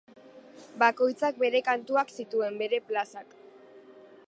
Bakoitzak bere kantuak zituen, bere plazak.